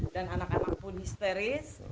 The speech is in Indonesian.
dan anak anak pun histeris